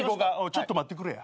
ちょっと待ってくれや。